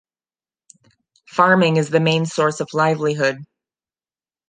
Farming is the main source of livelihood.